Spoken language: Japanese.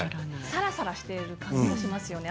さらさらしている感じもしますよね。